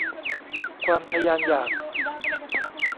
ความทะยานอยาก